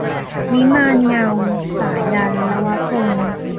วิมานเงา - สายัณห์ ลวพงศ์